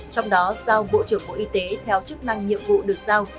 trong đó sao bộ trưởng bộ y tế theo chức năng nhiệm vụ được giao